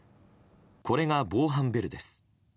これが防犯ベルです。